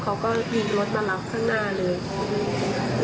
เขาก็ยิงรถมารับข้างหน้าเลย